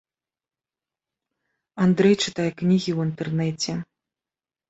Андрэй чытае кнігі ў інтэрнэце.